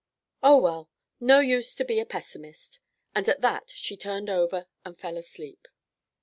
"Oh, well, no use to be a pessimist," and at that she turned over and fell asleep.